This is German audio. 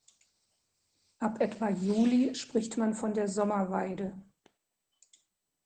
Ab etwa Juli spricht man von der Sommerweide.